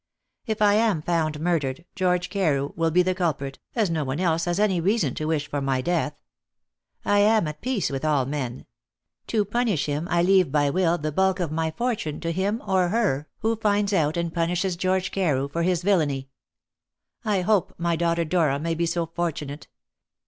If I am found murdered, George Carew will be the culprit, as no one else has any reason to wish for my death. I am at peace with all men. To punish him I leave by will the bulk of my fortune to him or her who finds out and punishes George Carew for his villainy. I hope my daughter Dora may be so fortunate.